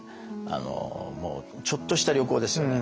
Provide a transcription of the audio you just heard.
もうちょっとした旅行ですよね。